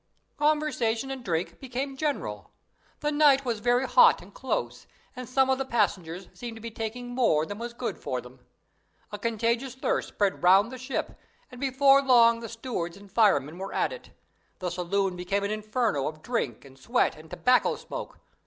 "Conversation and drink became general. The night was very hot and close, and some of the passengers seemed to be taking more than was good for them. A contagious thirst spread round the ship, and before long the stewards and firemen were at it. The saloon became an inferno of drink and sweat and tobacco smoke.